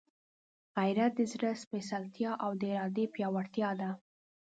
غیرت د زړه سپېڅلتیا او د ارادې پیاوړتیا ده.